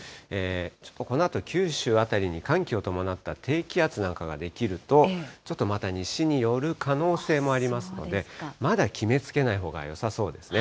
ちょっとこのあと九州辺りに寒気を伴った低気圧なんかが出来ると、ちょっとまた西に寄る可能性もありますので、まだ決めつけないほうがよさそうですね。